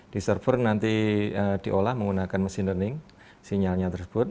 di server nanti diolah menggunakan mesin learning sinyalnya tersebut